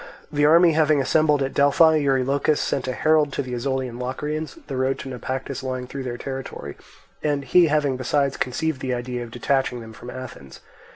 The army having assembled at Delphi, Eurylochus sent a herald to the Ozolian Locrians; the road to Naupactus lying through their territory, and he having besides conceived the idea of detaching them from Athens.